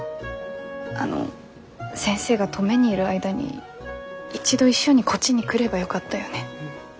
あの先生が登米にいる間に一度一緒にこっちに来ればよかったよね。